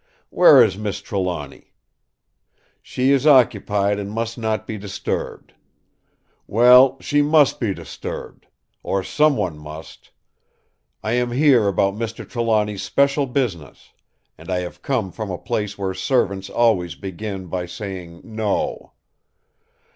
Where is Miss Trelawny? 'She is occupied and must not be disturbed!' Well, she must be disturbed! Or some one must. I am here about Mr. Trelawny's special business; and I have come from a place where servants always begin by saying No.